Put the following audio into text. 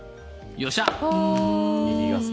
よっしゃ！